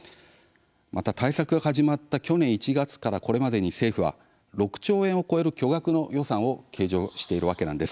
また、対策が始まった去年１月からこれまでに政府は６兆円を超える巨額の予算を計上しているわけなんです。